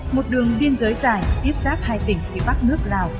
một đường biên giới dài tiếp xác hai tỉnh phía bắc nước lào